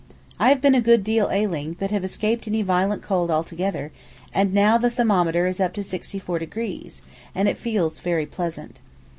I have been a good deal ailing, but have escaped any violent cold altogether, and now the thermometer is up to 64°, and it feels very pleasant.